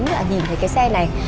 nhìn thấy cái xe này